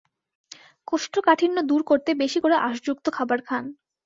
কোষ্ঠকাঠিন্য দূর করতে বেশি করে আঁশযুক্ত খাবার খান।